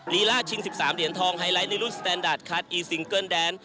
ลีล่าชิง๑๓เหรียญทองไฮไลท์ในรุ่นสแตนดาร์ดคัดอีซิงเกิ้ลแดน